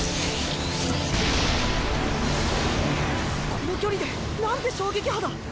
この距離でなんて衝撃波だ。